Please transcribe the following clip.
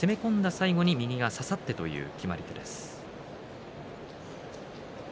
最後に右が差さってという決まり手です。